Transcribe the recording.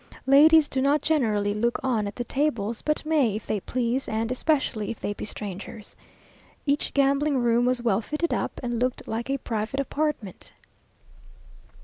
Ladies do not generally look on at the tables, but may if they please, and especially if they be strangers. Each gambling room was well fitted up, and looked like a private apartment.